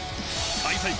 開催国